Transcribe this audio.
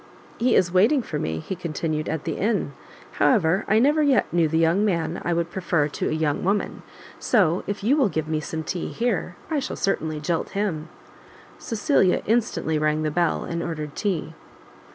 "He is waiting for me," he continued, "at the inn; however, I never yet knew the young man I would prefer to a young woman, so if you will give me some tea here, I shall certainly jilt him." Cecilia instantly rang the bell, and ordered tea.